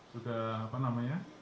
sudah apa namanya